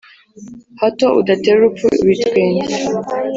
hato udatera urupfu ibitwenge